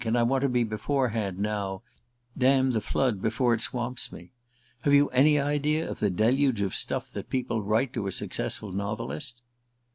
And I want to be beforehand now dam the flood before it swamps me. Have you any idea of the deluge of stuff that people write to a successful novelist?"